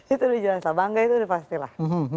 itu sudah jelas lah bangga itu sudah pastilah